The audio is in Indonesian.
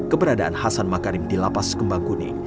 keberadaan hasan makarim di lapas kembang kuning